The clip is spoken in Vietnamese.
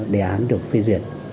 đề án được phê duyệt